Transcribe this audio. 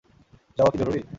যাওয়া কি জরুরী?